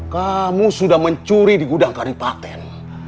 kamu sudah mencuri di gudang karipaten